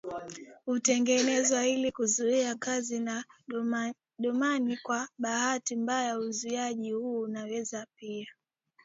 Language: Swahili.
hutengenezwa ili kuzuia kazi ya dopamine Kwa bahati mbaya uzuiaji huu unaweza pia